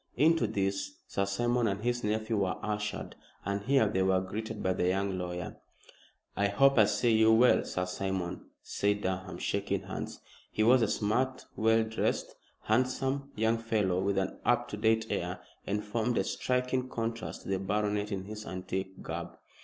Into this Sir Simon and his nephew were ushered, and here they were greeted by the young lawyer. "I hope I see you well, Sir Simon?" said Durham, shaking hands. He was a smart, well dressed, handsome young fellow with an up to date air, and formed a striking contrast to the baronet in his antique garb.